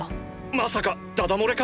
まさかだだ漏れか？